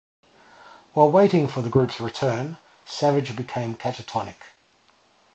While waiting for the group's return, Savage becomes catatonic.